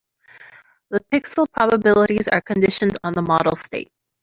The pixel probabilities are conditioned on the model state.